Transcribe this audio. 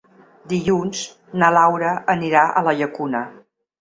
Dilluns na Laura anirà a la Llacuna.